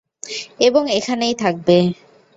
এবং, এখানেই থাকবে।